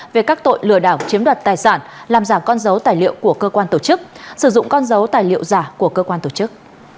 về các tội lừa đảo chiếm đoạt tài sản làm giả con dấu tài liệu của cơ quan tổ chức sử dụng con dấu tài liệu giả của cơ quan tổ chức